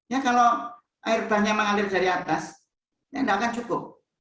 ya kalau air banyak mengalir dari atas ya nggak akan cukup